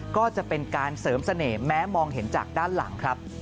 ก็จะเป็นการเสริมเสน่ห์แม้มองเห็นจากด้านหลังครับ